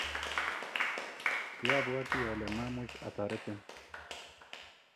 kiabwatii ale mwamuch atoretin.